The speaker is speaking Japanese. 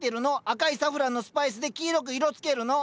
赤いサフランのスパイスで黄色く色つけるの。